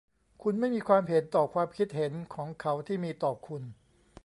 คุณไม่มีความเห็นต่อความคิดเห็นของเขาที่มีต่อคุณ